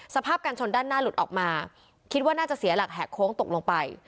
สภาพการชนด้านหน้าหลุดออกมาคิดว่าน่าจะเสียหลักแหกโค้งตกลงไป